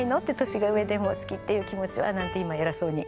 年が上でも好きっていう気持ちは」なんて今偉そうに。